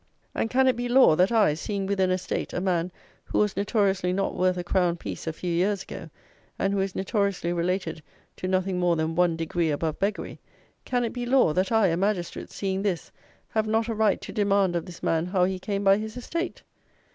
And, can it be law, that I, seeing with an estate a man who was notoriously not worth a crown piece a few years ago, and who is notoriously related to nothing more than one degree above beggary; can it be law, that I, a magistrate, seeing this, have not a right to demand of this man how he came by his estate?